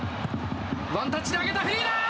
ワンタッチで上げたフリーだ！